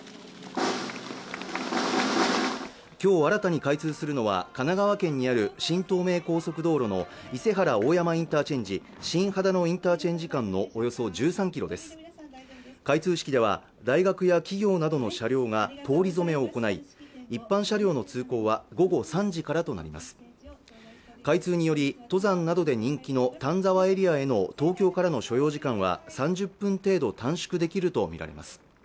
今日新たに開通するのは神奈川県にある新東名高速道路の伊勢原大山インターチェンジ新秦野インターチェンジ間のおよそ１３キロです開通式では大学や企業などの車両が通り初めを行い一般車両の通行は午後３時からとなります開通により登山などで人気の丹沢エリアへの東京からの所要時間は３０分程度短縮できると見られます